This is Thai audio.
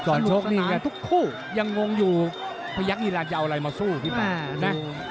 สรุปสนานทุกคู่ยังงงอยู่พยักษณ์อีรันทร์จะเอาอะไรมาสู้ที่ปาก